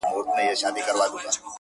زه خو نه غواړم ژوندون د بې هنبرو!!